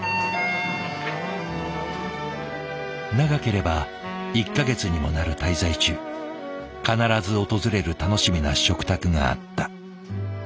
長ければ１か月にもなる滞在中必ず訪れる楽しみな食卓があった。